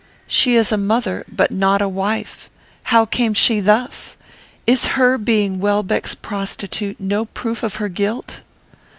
She is a mother, but not a wife. How came she thus? Is her being Welbeck's prostitute no proof of her guilt?"